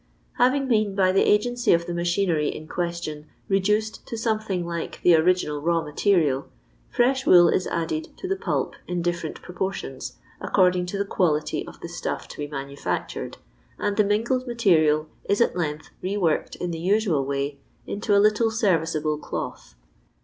Having been, by the agency of the machinery in question, reduced to something like the original raw material, fresh wool is added to the pulp in different proportions, according to the quality of the stuff to be manu factured, and the mingled material is at length reworked in the usual way into a little serviceable cloth.